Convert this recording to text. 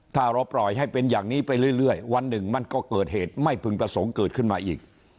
ถ้าเราปล่อยให้เป็นอย่างนี้ไปเรื่อยวันหนึ่งมันก็เกิดเหตุไม่พึงประสงค์เกิดขึ้นมาอีก